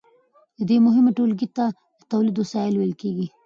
دې مهمې ټولګې ته د تولید وسایل ویل کیږي.